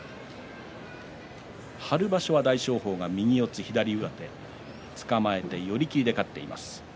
春場所は大翔鵬が右四つ左上手つかまえて寄り切りで勝っています。